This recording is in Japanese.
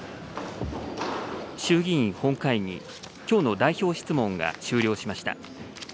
衆議院本会議、きょうの代表質問が終了しました。